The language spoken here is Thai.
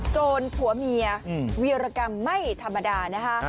โจรผัวเมียเวียรกรรมไม่ธรรมดา